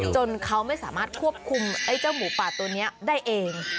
จนเขาไม่สามารถควบคุมไอ้เจ้าหมูป่าตัวนี้ได้เอง